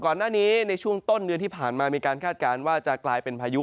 ก่อนหน้านี้ในช่วงต้นเดือนที่ผ่านมามีการคาดการณ์ว่าจะกลายเป็นพายุ